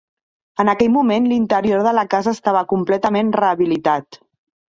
En aquell moment, l'interior de la casa estava completament rehabilitat.